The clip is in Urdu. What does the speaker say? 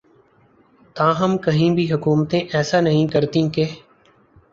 تاہم کہیں بھی حکومتیں ایسا نہیں کرتیں کہ